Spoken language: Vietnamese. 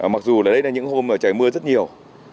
mặc dù là đây là những hôm mà trời mưa rất nhiều